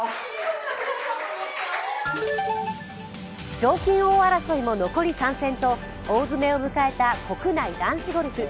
賞金王争いも残り３戦と大詰めを迎えた国内男子ゴルフ。